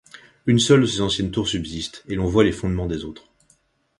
Une seule de ses anciennes tours subsiste et l’on voit les fondements des autres.